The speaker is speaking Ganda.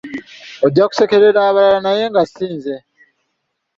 Ojja kusekerera abalala naye si nze.